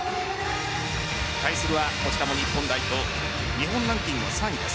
対するはこちらも日本代表日本ランキング３位です。